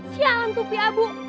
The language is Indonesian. sialan tuh piabu